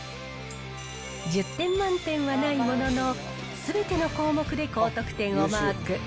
１０点満点はないものの、すべての項目で高得点をマーク。